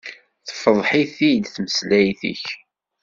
Tefḍeḥ-ik-id tmeslayt-ik.